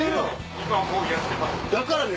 今もうやってます。